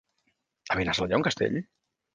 A Benassal hi ha un castell?